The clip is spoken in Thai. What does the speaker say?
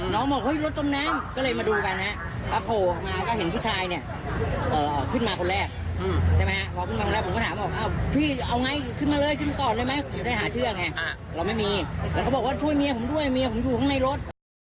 บอกว่าช่วยแม่ผมด้วยแม่ผมอยู่ข้างในรถ